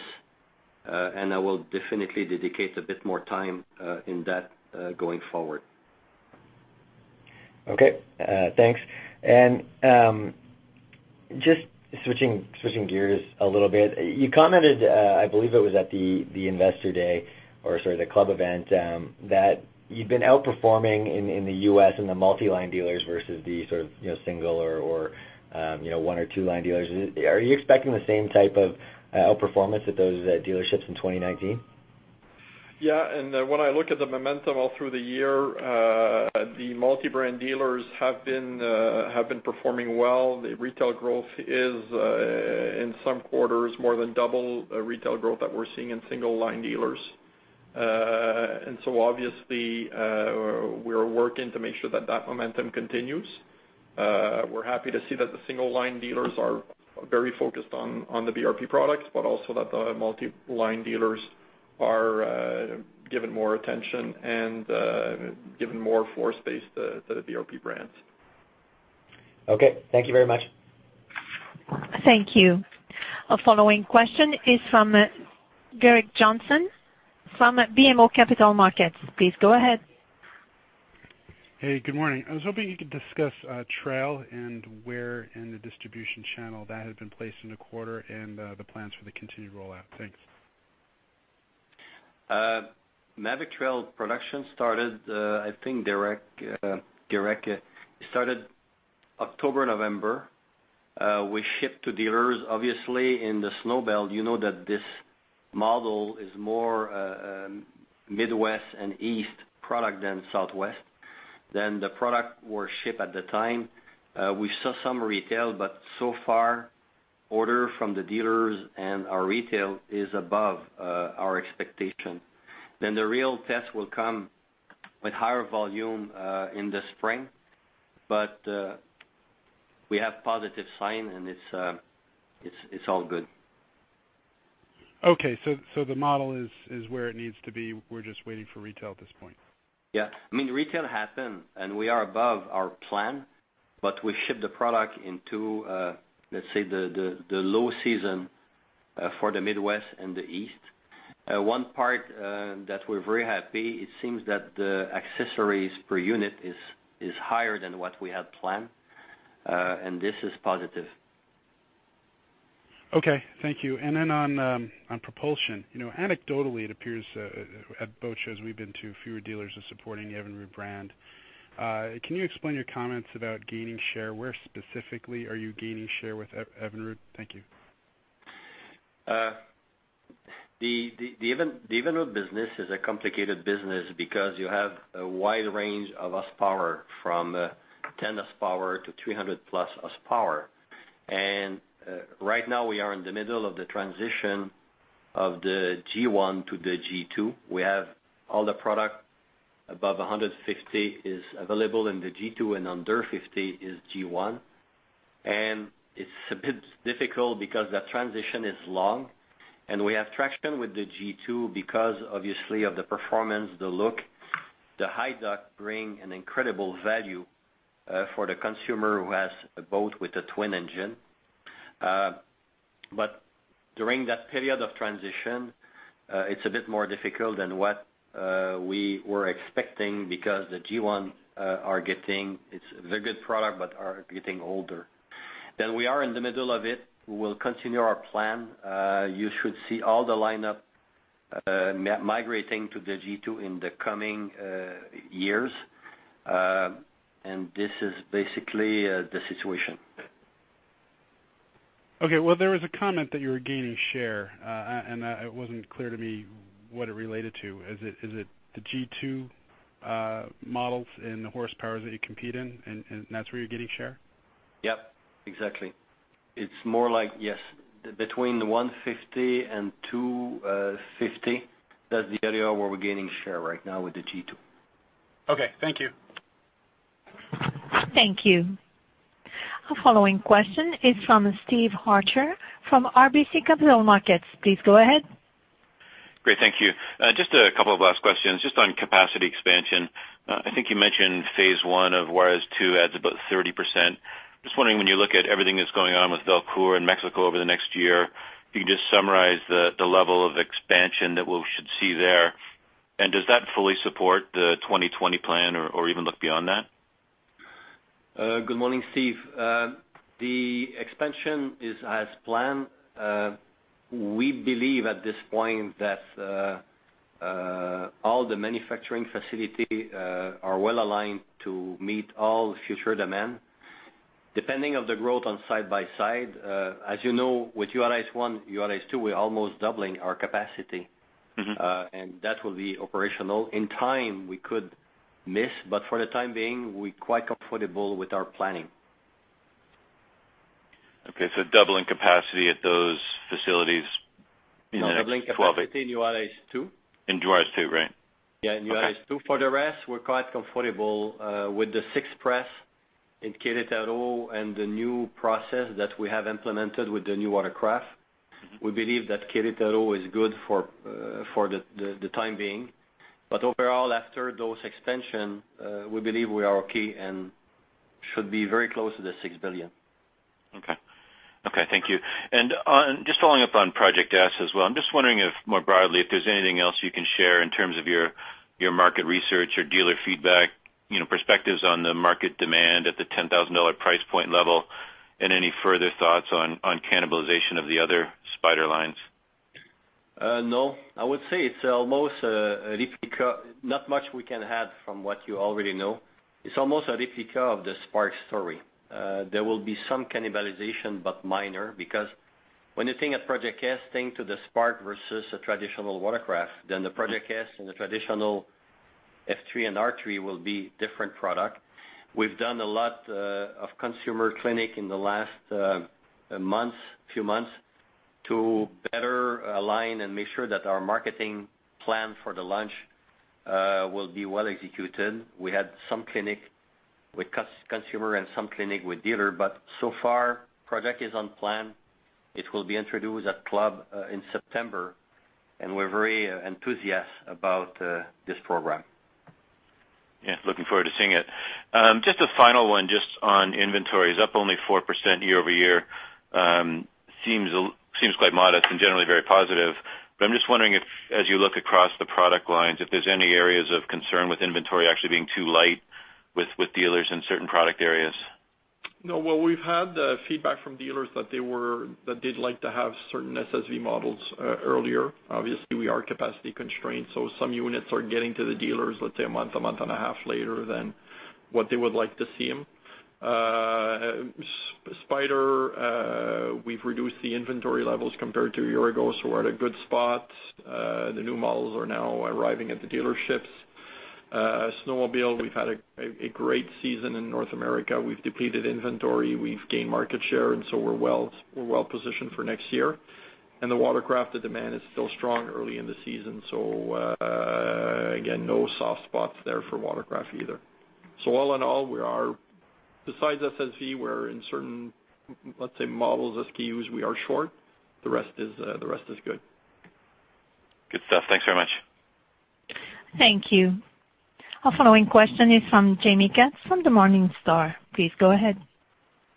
and I will definitely dedicate a bit more time in that, going forward. Okay. Thanks. Just switching gears a little bit. You commented, I believe it was at the Investor Day or, sort of, the Club BRP event, that you've been outperforming in the U.S. and the multi-line dealers versus the sort of single or one or two-line dealers. Are you expecting the same type of outperformance at those dealerships in 2019? Yeah. When I look at the momentum all through the year, the multi-brand dealers have been performing well. The retail growth is, in some quarters, more than double retail growth that we're seeing in single-line dealers. Obviously, we're working to make sure that that momentum continues. We're happy to see that the single-line dealers are very focused on the BRP products, but also that the multi-line dealers are giving more attention and giving more floor space to the BRP brands. Okay. Thank you very much. Thank you. Our following question is from Gerrick Johnson from BMO Capital Markets. Please go ahead. Hey, good morning. I was hoping you could discuss Maverick Trail and where in the distribution channel that had been placed in the quarter and the plans for the continued rollout. Thanks. Maverick Trail production started, I think, Derek, it started October, November. We ship to dealers, obviously, in the Snowbelt. You know that this model is more Midwest and East product than Southwest. The product were shipped at the time. We saw some retail, so far, order from the dealers and our retail is above our expectation. The real test will come with higher volume in the spring. We have positive sign, and it's all good. Okay, the model is where it needs to be. We're just waiting for retail at this point. Yeah. Retail happened, we are above our plan, we ship the product into, let's say, the low season for the Midwest and the East. One part that we're very happy, it seems that the accessories per unit is higher than what we had planned. This is positive. Okay, thank you. On propulsion. Anecdotally, it appears at boat shows we've been to, fewer dealers are supporting the Evinrude brand. Can you explain your comments about gaining share? Where specifically are you gaining share with Evinrude? Thank you. The Evinrude business is a complicated business because you have a wide range of horsepower from 10 horsepower to 300-plus horsepower. Right now, we are in the middle of the transition of the G1 to the G2. We have all the product above 150 is available in the G2, and under 50 is G1. It's a bit difficult because that transition is long, and we have traction with the G2 because obviously of the performance, the look, the iDock bring an incredible value for the consumer who has a boat with a twin engine. During that period of transition, it's a bit more difficult than what we were expecting because the G1, it's a very good product, but are getting older. We are in the middle of it. We will continue our plan. You should see all the lineup migrating to the G2 in the coming years. This is basically the situation. Okay. Well, there was a comment that you were gaining share, and it wasn't clear to me what it related to. Is it the G2 models and the horsepowers that you compete in, and that's where you're getting share? Yes. Exactly. It's more like, yes, between the 150 and 250, that's the area where we're gaining share right now with the G2. Okay. Thank you. Thank you. Our following question is from Steve Arthur from RBC Capital Markets. Please go ahead. Great. Thank you. Just a couple of last questions. Just on capacity expansion, I think you mentioned phase one of Juarez 2 adds about 30%. Just wondering, when you look at everything that's going on with Valcourt and Mexico over the next year, if you can just summarize the level of expansion that we should see there. Does that fully support the 2020 plan or even look beyond that? Good morning, Steve. The expansion is as planned. We believe at this point that all the manufacturing facility are well-aligned to meet all future demand. Depending of the growth on side-by-side, as you know, with Juarez 1, Juarez 2, we're almost doubling our capacity. That will be operational. In time, we could miss, but for the time being, we're quite comfortable with our planning. Doubling capacity at those facilities in the next 12- No, doubling capacity in Juarez 2. In Juarez 2, right. Yeah, in Juarez 2. Okay. For the rest, we're quite comfortable with the sixth press in Querétaro and the new process that we have implemented with the new watercraft. We believe that Querétaro is good for the time being. Overall, after those expansion, we believe we are okay and should be very close to the 6 billion. Okay. Okay, thank you. Just following up on Project S as well, I'm just wondering if, more broadly, if there's anything else you can share in terms of your market research, your dealer feedback, perspectives on the market demand at the $10,000 price point level, and any further thoughts on cannibalization of the other Spyder lines. No. I would say it's almost a replica. Not much we can add from what you already know. It's almost a replica of the Spark story. There will be some cannibalization, but minor, because when you think of Project S, think to the Spark versus a traditional watercraft, then the Project S and the traditional F3 and R3 will be different product. We've done a lot of consumer clinic in the last few months to better align and make sure that our marketing plan for the launch will be well executed. We had some clinic with consumer and some clinic with dealer, but so far, project is on plan. It will be introduced at Club in September. We're very enthusiastic about this program. Yeah, looking forward to seeing it. Just a final one, just on inventories. Up only 4% year-over-year, seems quite modest and generally very positive. I'm just wondering if, as you look across the product lines, if there's any areas of concern with inventory actually being too light with dealers in certain product areas? No. Well, we've had feedback from dealers that they'd like to have certain SSV models earlier. Obviously, we are capacity constrained, so some units are getting to the dealers, let's say, a month, a month and a half later than what they would like to see them. Spyder, we've reduced the inventory levels compared to a year ago, so we're at a good spot. The new models are now arriving at the dealerships. Snowmobile, we've had a great season in North America. We've depleted inventory. We've gained market share. We're well positioned for next year. The watercraft, the demand is still strong early in the season. Again, no soft spots there for watercraft either. All in all, besides SSV, where in certain, let's say, models or SKUs we are short, the rest is good. Good stuff. Thanks very much. Thank you. Our following question is from Jaime Katz from Morningstar. Please go ahead.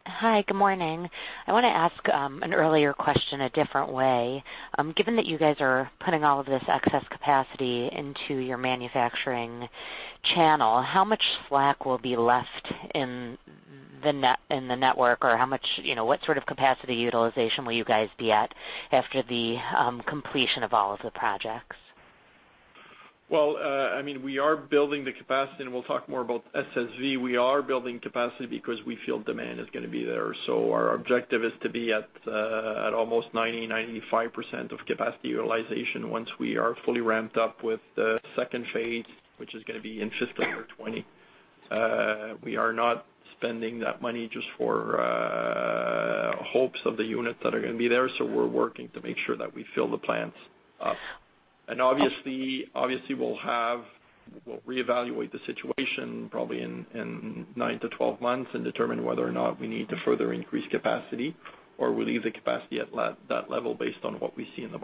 Hi. Good morning. I want to ask an earlier question a different way. Given that you guys are putting all of this excess capacity into your manufacturing channel, how much slack will be left in the network, or what sort of capacity utilization will you guys be at after the completion of all of the projects? Well, we are building the capacity, and we'll talk more about SSV. We are building capacity because we feel demand is going to be there. Our objective is to be at almost 90%-95% of capacity utilization once we are fully ramped up with the second phase, which is going to be in fiscal year 2020. We are not spending that money just for hopes of the units that are going to be there, so we're working to make sure that we fill the plants up. Obviously, we'll reevaluate the situation probably in nine to 12 months and determine whether or not we need to further increase capacity or we leave the capacity at that level based on what we see in the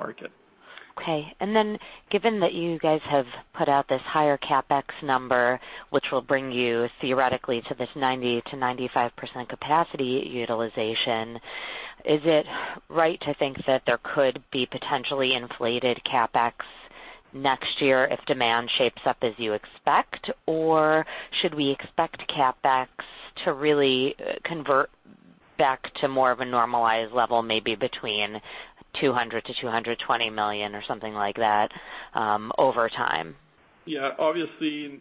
market. Given that you guys have put out this higher CapEx number, which will bring you theoretically to this 90%-95% capacity utilization, is it right to think that there could be potentially inflated CapEx next year if demand shapes up as you expect? Or should we expect CapEx to really convert back to more of a normalized level, maybe between 200 million-220 million or something like that, over time? Obviously,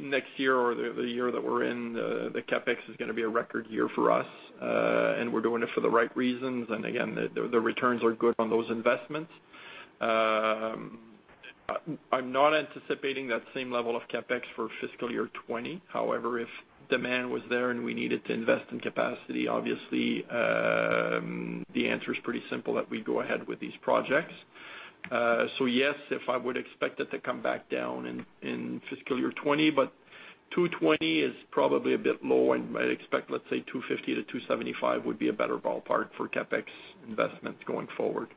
next year or the year that we're in, the CapEx is going to be a record year for us, and we're doing it for the right reasons. The returns are good on those investments. I'm not anticipating that same level of CapEx for fiscal year 2020. However, if demand was there and we needed to invest in capacity, obviously, the answer is pretty simple that we go ahead with these projects. Yes, if I would expect it to come back down in fiscal year 2020, but 220 is probably a bit low. I might expect, let's say 250-275 would be a better ballpark for CapEx investments going forward.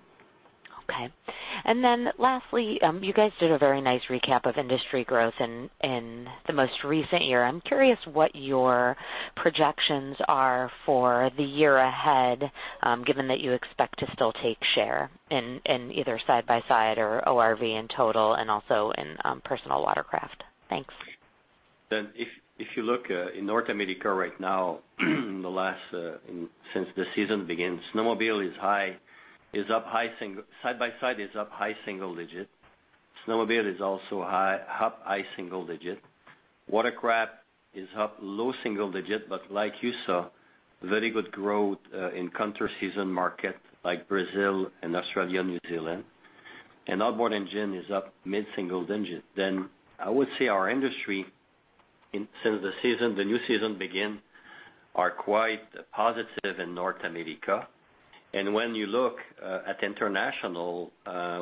Lastly, you guys did a very nice recap of industry growth in the most recent year. I'm curious what your projections are for the year ahead, given that you expect to still take share in either side-by-side or ORV in total and also in personal watercraft. Thanks. If you look in North America right now, since the season began, side-by-side is up high single digit. Snowmobile is also up high single digit. Watercraft is up low single digit, but like you saw, very good growth in counter-season market like Brazil and Australia, New Zealand, and outboard engine is up mid-single digit. I would say our industry since the new season begin, are quite positive in North America. When you look at international,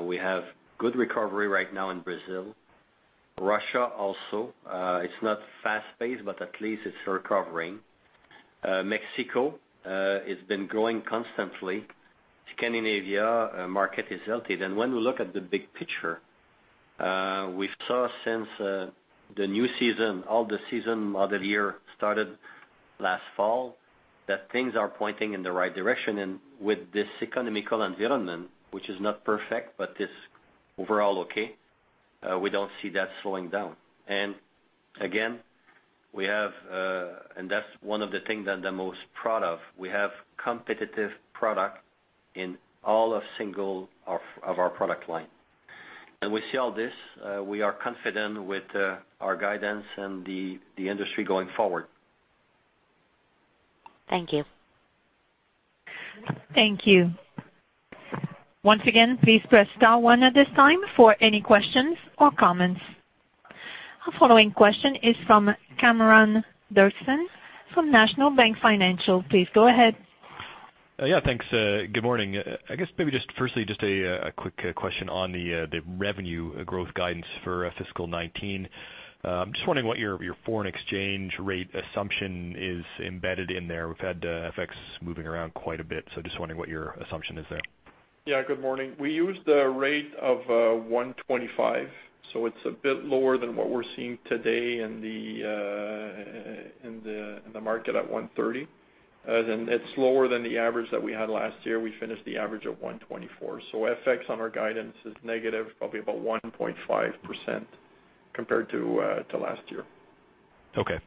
we have good recovery right now in Brazil. Russia also, it's not fast-paced, but at least it's recovering. Mexico, it's been growing constantly. Scandinavia market is healthy. When we look at the big picture, we saw since the new season, all the season model year started last fall, that things are pointing in the right direction. With this economical environment, which is not perfect, but it's overall okay, we don't see that slowing down. Again, and that's one of the thing that I'm the most proud of, we have competitive product in all of single of our product line. We see all this, we are confident with our guidance and the industry going forward. Thank you. Thank you. Once again, please press star one at this time for any questions or comments. Our following question is from Cameron Doerksen from National Bank Financial. Please go ahead. Yeah. Thanks. Good morning. I guess maybe just firstly, a quick question on the revenue growth guidance for fiscal 2019. I'm just wondering what your foreign exchange rate assumption is embedded in there. We've had FX moving around quite a bit, just wondering what your assumption is there. Yeah. Good morning. We used a rate of 125. It's a bit lower than what we're seeing today in the market at 130. It's lower than the average that we had last year. We finished the average of 124. FX on our guidance is negative, probably about 1.5% compared to last year. Okay.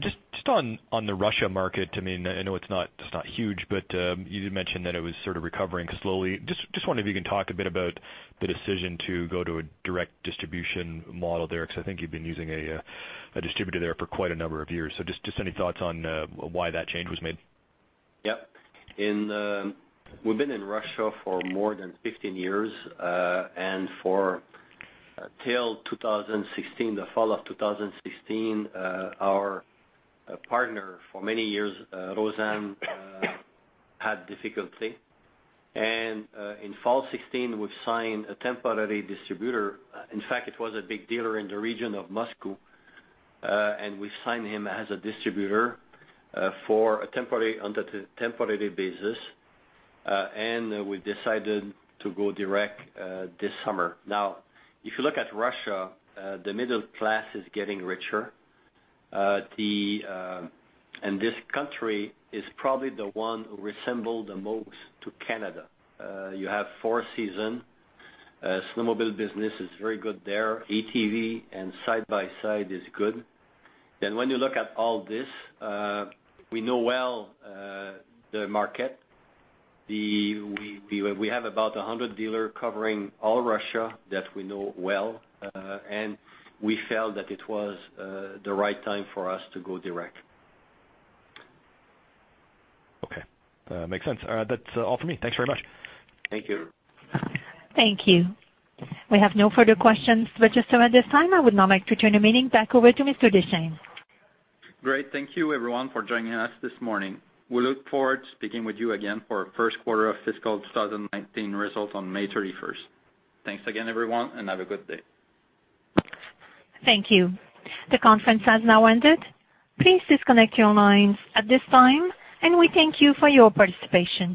Just on the Russia market, I know it's not huge, you did mention that it was sort of recovering slowly. Just wonder if you can talk a bit about the decision to go to a direct distribution model there, because I think you've been using a distributor there for quite a number of years. Just any thoughts on why that change was made? Yeah. We've been in Russia for more than 15 years. For till 2016, the fall of 2016, our partner for many years, Rosan, had difficulty. In fall 2016, we've signed a temporary distributor. In fact, it was a big dealer in the region of Moscow, we signed him as a distributor under temporary basis. We decided to go direct this summer. Now, if you look at Russia, the middle class is getting richer. This country is probably the one who resemble the most to Canada. You have four season. Snowmobile business is very good there. ATV and side-by-side is good. When you look at all this, we know well the market. We have about 100 dealer covering all Russia that we know well, we felt that it was the right time for us to go direct. Okay. Makes sense. All right. That's all for me. Thanks very much. Thank you. Thank you. We have no further questions registered at this time. I would now like to turn the meeting back over to Mr. Deschênes. Great. Thank you everyone for joining us this morning. We look forward to speaking with you again for our first quarter of fiscal 2019 results on May 31st. Thanks again, everyone, and have a good day. Thank you. The conference has now ended. Please disconnect your lines at this time, and we thank you for your participation.